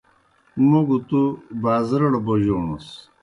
موْ گہ تُوْ بازرَڑ بوجوݨَس۔